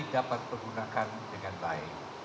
dapat menggunakan dengan baik